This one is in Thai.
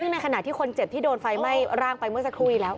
ซึ่งในขณะที่คนเจ็บที่โดนไฟไหม้ร่างไปเมื่อสักครู่แล้ว